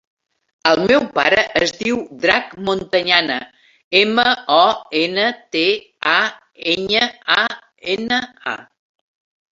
El meu pare es diu Drac Montañana: ema, o, ena, te, a, enya, a, ena, a.